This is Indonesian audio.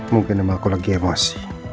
mungkin aku lagi emosi